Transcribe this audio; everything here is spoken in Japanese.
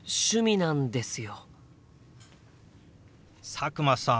佐久間さん